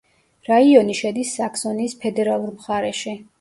რაიონი შედის საქსონიის ფედერალურ მხარეში.